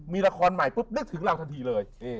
มีละครใหม่ปุ๊บนึกถึงเราทันทีเลย